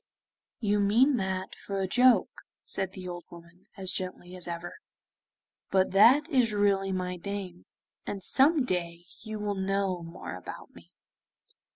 'You mean that for a joke,' said the old woman, as gently as ever, 'but that is really my name, and some day you will know more about me.